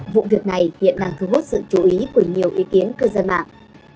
vụ việc này hiện đang thu hút sự chú ý của nhiều ý kiến cư dân mạng